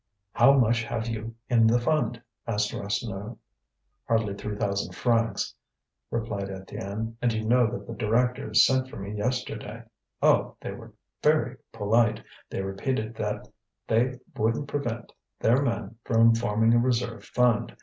"How much have you in the fund?" asked Rasseneur. "Hardly three thousand francs," replied Étienne, "and you know that the directors sent for me yesterday. Oh! they were very polite; they repeated that they wouldn't prevent their men from forming a reserve fund.